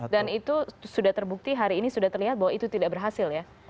dan itu sudah terbukti hari ini sudah terlihat bahwa itu tidak berhasil ya